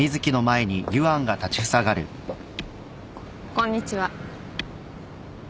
こんにちは。